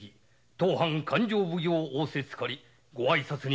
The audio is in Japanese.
当藩勘定奉行を仰せつかりごあいさつに。